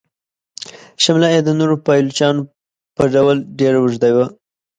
شمله یې د نورو پایلوچانو په ډول ډیره اوږده وه.